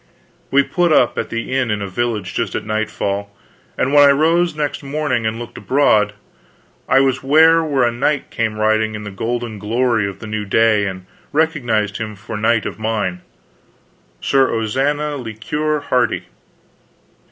We put up at the inn in a village just at nightfall, and when I rose next morning and looked abroad, I was ware where a knight came riding in the golden glory of the new day, and recognized him for knight of mine Sir Ozana le Cure Hardy.